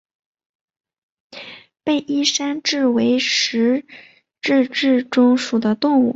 被衣山蛭为石蛭科石蛭属的动物。